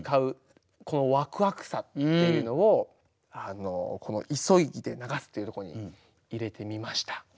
このワクワクさっていうのをこの「急ぎて流す」というところに入れてみました。